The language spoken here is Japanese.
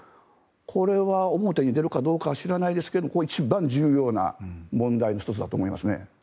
これは表に出るかどうかは知らないですけど一番重要な問題の１つだと思いますね。